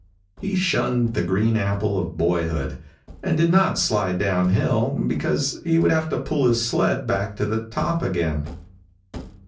He shunned the green apple of boyhood, and did not slide down hill because he would have to pull his sled back to the top again.